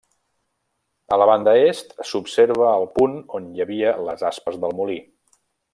A la banda est, s'observa el punt on hi havia les aspes del molí.